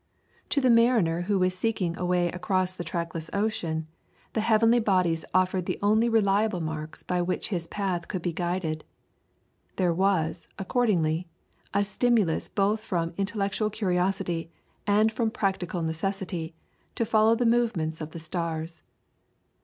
To the mariner who was seeking a way across the trackless ocean, the heavenly bodies offered the only reliable marks by which his path could be guided. There was, accordingly, a stimulus both from intellectual curiosity and from practical necessity to follow the movements of the stars.